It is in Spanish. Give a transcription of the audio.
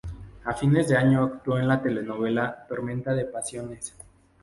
A fines de año actuó en la telenovela "Tormenta de pasiones".